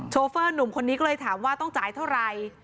โฟนุ่มคนนี้ก็เลยถามว่าต้องจ่ายเท่าไหร่